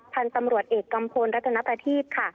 พันธุ์ตำรวจเอกกัมพลรัฐนประทีพค่ะ